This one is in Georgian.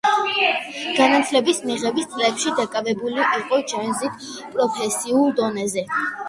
განათლების მიღების წლებში, დაკავებული იყო ჯაზით პროფესიულ დონეზე.